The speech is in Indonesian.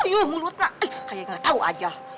ayo mulutnya ih kayak nggak tahu aja